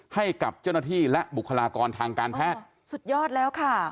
ให้กับเจ้าหน้าที่และบุคลากรทางการแพทย์สุดยอดแล้วค่ะ